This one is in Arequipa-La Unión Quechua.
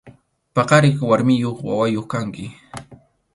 Paqariq warmiyuq wawayuq kanki.